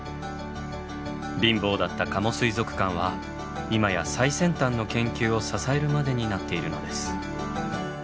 貧乏だった加茂水族館は今や最先端の研究を支えるまでになっているのです。